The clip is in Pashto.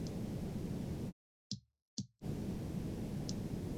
ننګرهار د افغانستان د ولایاتو په کچه توپیر لري.